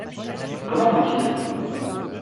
Comment vont-ils ?